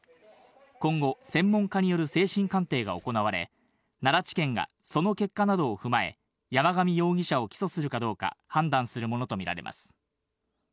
今後、専門家による精神鑑定が行われ、奈良地検がその結果などを踏まえ、山上容疑者を起訴するかどうか判断するものとみられます。